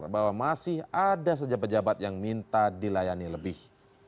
bahwa masih ada sejabat jabat yang minta dilayani lebih